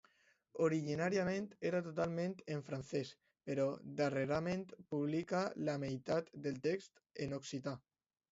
Originàriament era totalment en francès, però darrerament publica la meitat del text en occità.